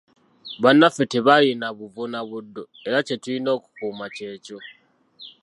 Bannaffe tebalina buvo na buddo era kye tulina okukuuma kyekyo.